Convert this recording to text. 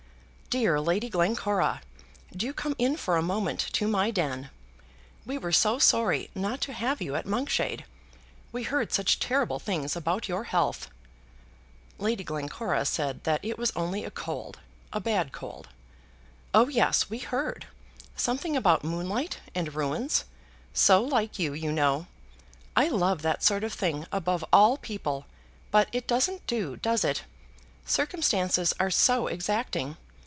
"Dear Lady Glencora, do come in for a moment to my den. We were so sorry not to have you at Monkshade. We heard such terrible things about your health." Lady Glencora said that it was only a cold, a bad cold. "Oh, yes; we heard, something about moonlight and ruins. So like you, you know. I love that sort of thing, above all people; but it doesn't do; does it? Circumstances are so exacting.